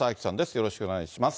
よろしくお願いします。